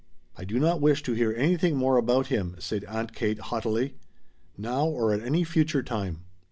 "I do not wish to hear anything more about him," said Aunt Kate haughtily. "Now, or at any future time."